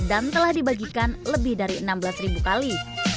dan telah dibagikan lebih dari enam belas ribu kali